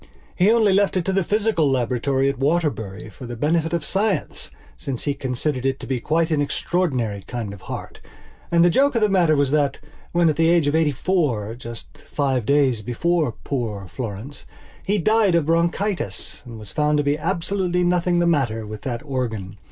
He only left it to the physical laboratory at Waterbury for the benefit of science, since he considered it to be quite an extraordinary kind of heart. And the joke of the matter was that, when, at the age of eighty four, just five days before poor Florence, he died of bronchitis there was found to be absolutely nothing the matter with that organ.